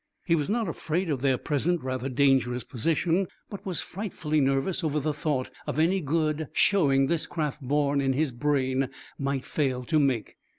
He was not afraid of their present rather dangerous position, but was frightfully nervous over the thought of any good showing this craft born in his brain might fail to make.